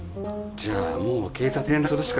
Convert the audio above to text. じゃあもう警察に連絡するしか。